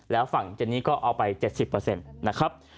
แล้วฝั่งเจนนี่ก็เอาไป๗๐เปอร์เซ็นต์นะครับ